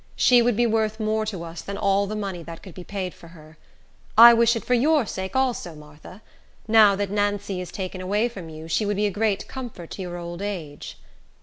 She would be worth more to us than all the money that could be paid for her. I wish it for your sake also, Martha. Now that Nancy is taken away from you, she would be a great comfort to your old age."